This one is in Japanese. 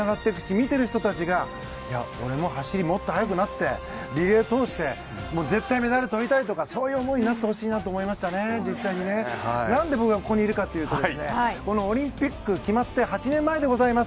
見てる人たちから俺も走りもっと速くなってリレー通して絶対メダルとりたいとかそういう思いになってほしいなと思いました実際にね。何で僕がここにいるかというとオリンピック決まって８年前です。